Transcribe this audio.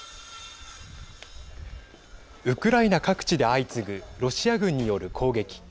ウクライナ各地で相次ぐロシア軍による攻撃。